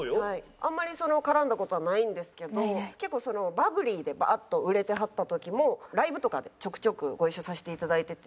あんまり絡んだ事はないんですけど結構バブリーでバッと売れてはった時もライブとかでちょくちょくご一緒させて頂いてて。